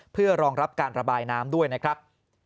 เพื่อรองรับการระบายน้ำด้วยนะครับ